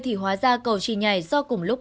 thì hóa ra cầu trì nhảy do cùng lúc